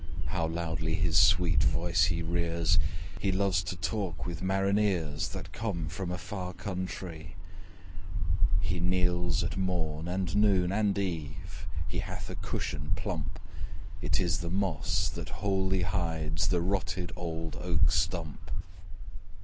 How loudly his sweet voice he rears! He loves to talk with marineres That come from a far countree. He kneels at morn, and noon, and eve He hath a cushion plump: It is the moss that wholly hides The rotted old oak stump.